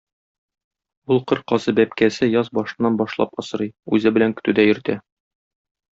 Ул кыр казы бәбкәсе яз башыннан башлап асрый, үзе белән көтүдә йөртә.